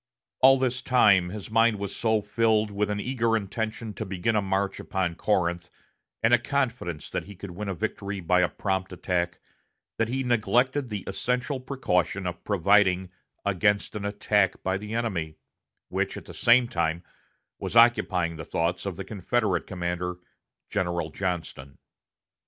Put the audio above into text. All this time his mind was so filled with an eager intention to begin a march upon Corinth, and a confidence that he could win a victory by a prompt attack, that he neglected the essential precaution of providing against an attack by the enemy, which at the same time was occupying the thoughts of the Confederate commander General Johnston.